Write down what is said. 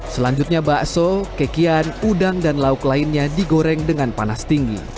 selanjutnya bakso kekian udang dan lauk lainnya digoreng dengan panas tinggi